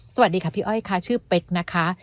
สวัสดีค่ะพี่อ้อยค่ะชื่อเป๊กนะคะ